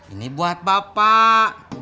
ini buat bapak